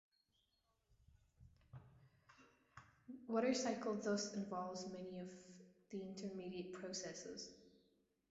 Water cycle thus involves many of the intermediate processes.